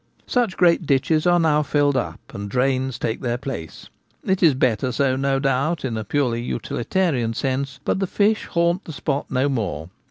Such great ditches are now filled up, and drains take their place. It is better so, no doubt, in a purely utilitarian sense, but the fish haunt the spot no more.